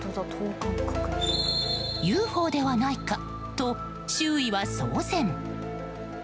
ＵＦＯではないかと周囲は騒然。